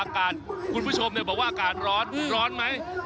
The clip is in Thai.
คุณผู้ชมบอกว่าอากาศร้อนร้อนไหม